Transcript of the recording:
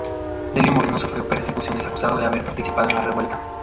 Delio Moreno sufrió persecuciones acusado de haber participado en la revuelta.